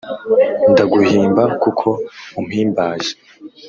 ndaguhimba kuko umpimbaje